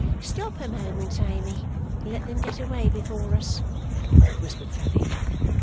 'Stop a moment, Amy, and let them get away before us,' whispered Fanny.